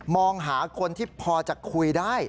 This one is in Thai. มองหาคนที่พอจะคุยได้